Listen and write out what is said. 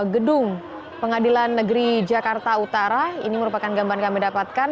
gedung pengadilan negeri jakarta utara ini merupakan gambaran kami dapatkan